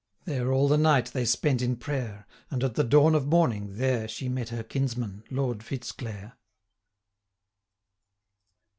There all the night they spent in prayer, And at the dawn of morning, there 1020 She met her kinsman, Lord Fitz Clare.